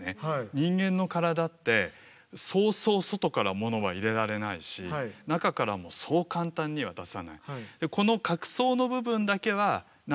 人間の体ってそうそう外からものは入れられないし中からもそう簡単には出さない。